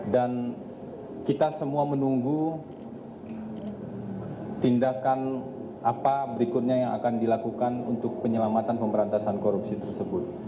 dan kita semua menunggu tindakan apa berikutnya yang akan dilakukan untuk penyelamatan pemberantasan korupsi tersebut